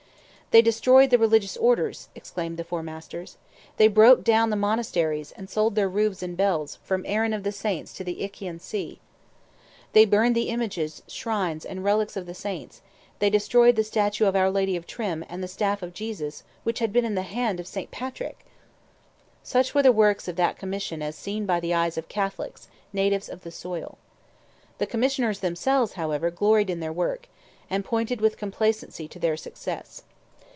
"They destroyed the religious orders," exclaimed the Four Masters! "They broke down the monasteries, and sold their roofs and bells, from Aran of the Saints to the Iccian Sea!" "They burned the images, shrines, and relics of the Saints; they destroyed the Statue of our Lady of Trim, and the Staff of Jesus, which had been in the hand of St. Patrick!" Such were the works of that Commission as seen by the eyes of Catholics, natives of the soil. The Commissioners themselves, however, gloried in their work, and pointed with complacency to their success.